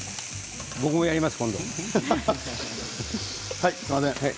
僕もやります、今度。